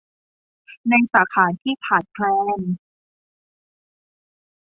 ในสาขาที่ขาดแคลน